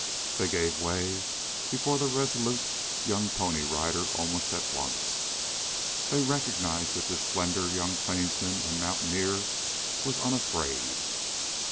They gave way before the resolute young Pony Rider almost at once. They recognized that this slender young plainsman and mountaineer was unafraid.